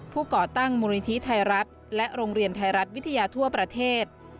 ก่อตั้งมูลนิธิไทยรัฐและโรงเรียนไทยรัฐวิทยาทั่วประเทศ